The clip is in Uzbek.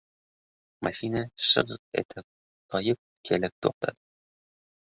Mashina «shig‘g‘» etib, toyib kelib to‘xtadi.